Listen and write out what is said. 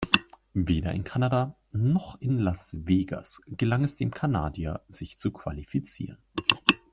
Weder in Kanada noch in Las Vegas gelang es dem Kanadier, sich zu qualifizieren.